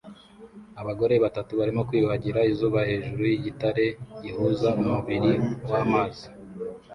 Abagore batatu barimo kwiyuhagira izuba hejuru yigitare gihuza umubiri wamazi